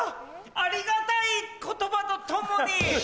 ありがたい言葉と共に。